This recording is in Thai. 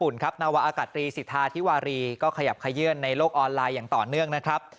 นาวาอากาศตรีสิทธาธิวารีก็ขยับขยื่นในโลกออนไลน์อย่างต่อเนื่องนะครับ